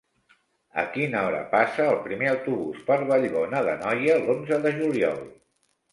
A quina hora passa el primer autobús per Vallbona d'Anoia l'onze de juliol?